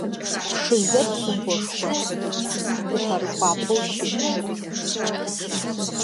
Пшызэ псыхъошхо, къухьэрыкӏуапӏэу щыт.